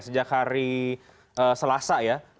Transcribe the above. sejak hari selasa ya